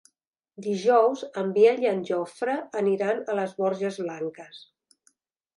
Dijous en Biel i en Jofre aniran a les Borges Blanques.